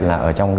là ở trong